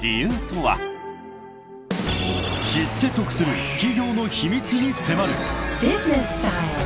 ［知って得する企業の秘密に迫る］